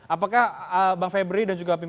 apakah bang febri dan juga pak buri